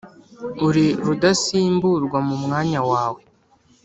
uri rudasimburwa mu mwanya wawe